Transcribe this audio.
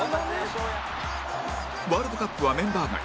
ワールドカップはメンバー外